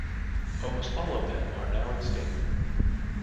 Almost all of them are now extinct.